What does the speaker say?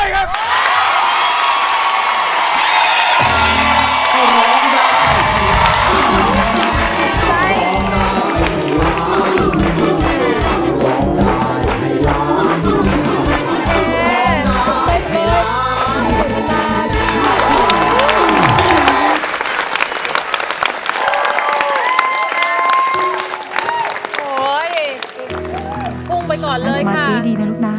น้องกีต้าบอกว่าต้องการสามหมื่นบาทนะครับเอาไปซ่อมแซมบ้านที่มันไม่ปลอดภัย